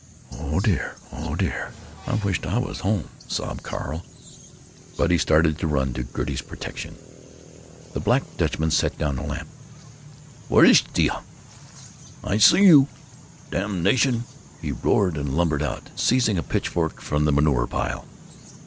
"Oh dear, oh dear, I wisht I was home!" sobbed Carl; but he started to run to Gertie's protection. The Black Dutchman set down the lamp. "Wer ist da? I see you! Damnation!" he roared, and lumbered out, seizing a pitchfork from the manure pile.